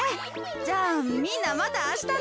じゃあみんなまたあしたな。